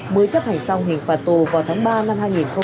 mới chấp hành xong hình phạt tù vào tháng ba năm hai nghìn hai mươi